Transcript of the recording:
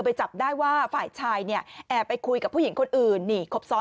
ไปจับได้ว่าฝ่ายชายเนี่ยแอบไปคุยกับผู้หญิงคนอื่นนี่ครบซ้อน